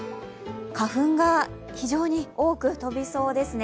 花粉が非常に多く飛びそうですね。